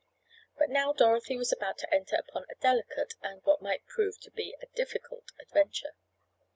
But now Dorothy was about to enter upon a delicate and what might prove to be a difficult adventure.